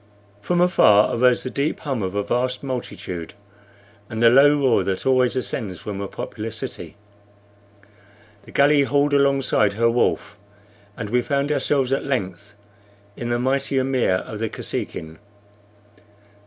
From afar arose the deep hum of a vast multitude and the low roar that always ascends from a popular city. The galley hauled alongside her wharf, and we found ourselves at length in the mighty amir of the Kosekin.